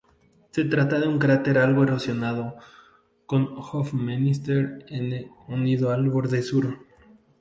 Se trata de un cráter algo erosionado, con "Hoffmeister N" unido al borde sur.